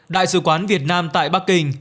đại sứ quán việt nam tại bắc kinh